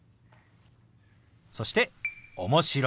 そして「面白い」。